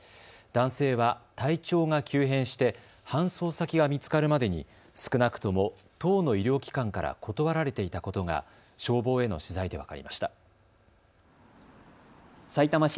男性は体調が急変して搬送先が見つかるまでに少なくとも１０の医療機関から断られていたことが消防への取材で分かりました。